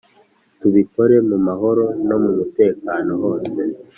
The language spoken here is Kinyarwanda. Tubikore mu mahoro no mu mutekano hose